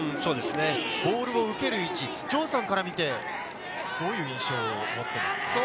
ボールを受ける位置、城さんから見て、どういう印象を持っていますか？